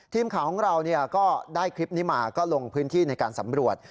ทีมข่าวของเราก็ได้คลิปนี้มาก็ลงพื้นที่ในการสำรวจ